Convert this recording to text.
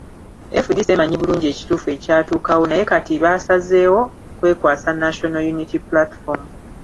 FDC emanyi bulungi ekituufu ekyatuukawo naye kati baasazeewo kwekwasa National Unity Platform